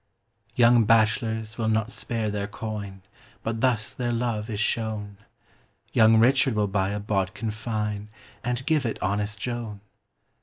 Young bachelors will not spare their coin, But thus their love is shown; Young Richard will buy a bodkin fine And give it honest Joan.